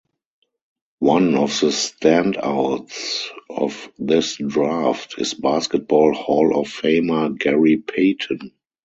One of the standouts of this draft is Basketball Hall of Famer Gary Payton.